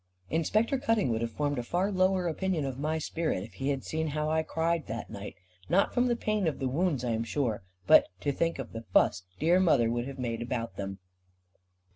Inspector Cutting would have formed a far lower opinion of my spirit, if he had seen how I cried that night; not from the pain of the wounds, I am sure, but to think of the fuss dear mother would have made about them.